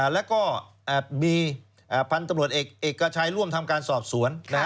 แล้วก็มีพันธุ์ตำรวจเอกชัยร่วมทำการสอบสวน